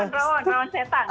rawan rawan rawan setan